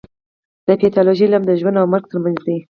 د پیتالوژي علم د ژوند او مرګ ترمنځ دی.